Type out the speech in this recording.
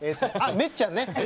めっちゃんね。